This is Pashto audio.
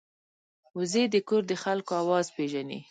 وزې د کور د خلکو آواز پېژني